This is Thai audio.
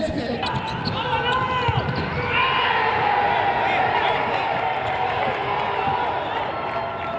สุดท้ายสุดท้าย